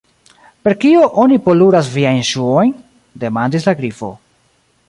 "Per kio oni poluras viajn ŝuojn?" demandis la Grifo.